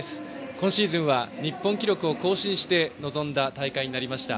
今シーズンは日本記録を更新して臨んだ大会でした。